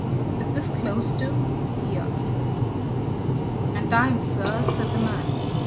is this closed, too?" he asked. "And time, sir," said the man.